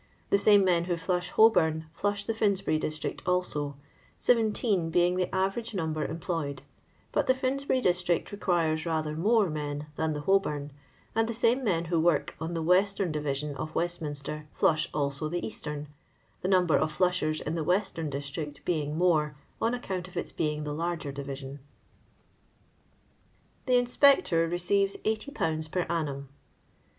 The a men who flush Holbom flush the FInsbury district also, 17 being the average number employed ; but the FInsbury district reouirea rather mora men than the Holbom t and the same men who work on the western division of Westminster flush alio tiM eastern, thenumber of flnshersin the western distziet being mori^ on afioouat of its being the larger dtvlslon. 480 LONDOy LABOUR AND THE LONDON POOR. The inipector receives 80^ per annum.